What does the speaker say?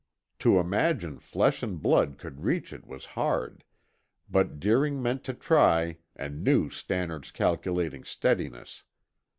To imagine flesh and blood could reach it was hard, but Deering meant to try and knew Stannard's calculating steadiness.